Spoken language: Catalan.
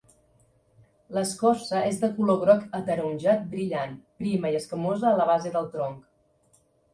L'escorça és de color groc ataronjat brillant, prima i escamosa a la base del tronc.